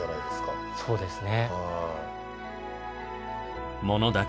はいそうですね。